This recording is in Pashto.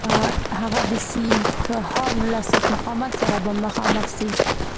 هغه د سیکهانو له سخت مقاومت سره به مخامخ سي.